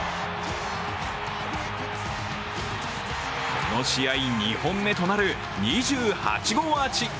この試合２本目となる２８号アーチ。